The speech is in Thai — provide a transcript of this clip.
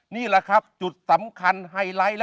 นี่แหละครับจุดสำคัญไฮไลท์